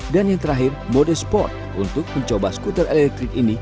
dan yang terakhir mode sport untuk mencoba skuter elektrik ini